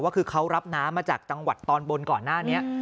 คือเขารับน้ำมาจากจังหวัดตอนบนก่อนหน้านี้